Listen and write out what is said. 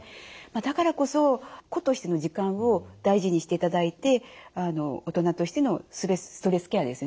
だからこそ個としての時間を大事にしていただいて大人としてのストレスケアですよね